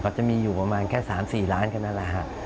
เขาจะมีอยู่ประมาณแค่๓๔ร้านกันนั้นนะครับ